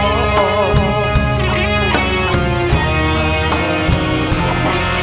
ยังเพราะความสำคัญ